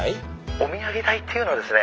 ☎お土産代っていうのはですね。